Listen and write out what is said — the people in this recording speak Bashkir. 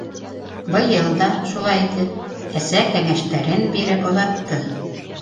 Быйыл да, шулай итеп, әсә кәңәштәре биреп оҙатты: